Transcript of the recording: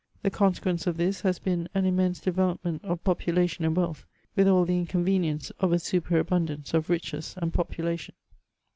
The consequence of this has been an immense develop ment of population and wealth, with all the inconvenience of a superabundance of riches and population.